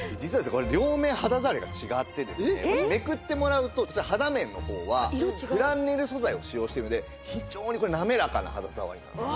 めくってもらうと肌面の方はフランネル素材を使用しているので非常にこれなめらかな肌触りなんです。